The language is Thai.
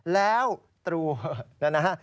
แล้วตรูนะฮะ